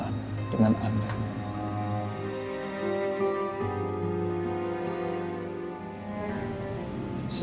jika melahirkan beride